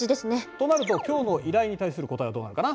となると今日の依頼に対する答えはどうなるかな？